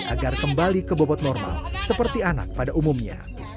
agar kembali ke bobot normal seperti anak pada umumnya